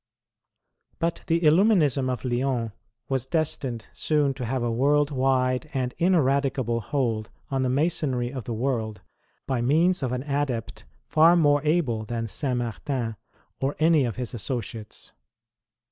But the Illuminism of Lyons was destined soon to have a world wide and ineradicable hold on the Masonry of the world 30 WAR OF ANTICHRIST WITH THE CHURCH. by means of an adept far more able than Saint Martin or any of his associates.